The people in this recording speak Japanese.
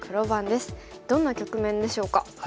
どんな局面でしょうか。